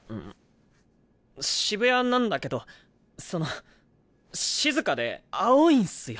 渋谷なんだけどその静かで青いんすよ。